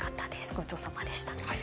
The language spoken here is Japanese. ごちそうさまでした。